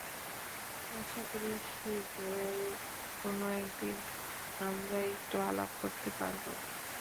আশাকরি শীঘ্রই কোনো একদিন, আমরা একটু আলাপ করতে পারবো।